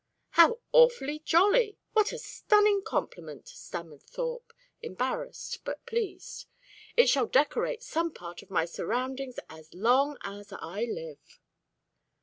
"How awfully jolly what a stunning compliment," stammered Thorpe, embarrassed and pleased. "It shall decorate some part of my surroundings as long as I live."